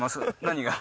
何が？